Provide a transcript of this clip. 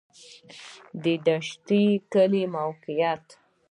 د دشټي کلی موقعیت